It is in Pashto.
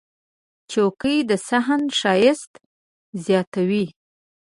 چوکۍ د صحن ښایست زیاتوي.